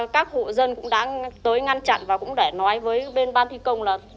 các hộ dân cũng đã tới ngăn chặn và cũng để nói với bên ban thi công là